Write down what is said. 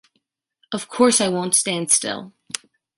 Of course I won’t stand still.